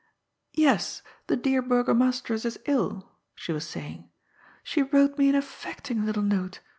^^ Yes, the dear Burgomasteress is ill,'' she was saying. ''She wrote me an affecting little note.